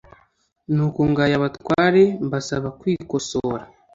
Nuko ngaya abatware mbasaba kwikosora